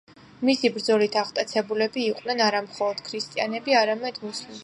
მისი ბრძოლით აღტაცებულები იყვნენ არა მხოლოდ ქრისტიანები, არამედ მუსლიმებიც.